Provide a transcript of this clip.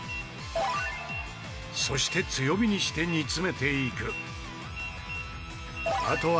そして強火にして煮詰めていく。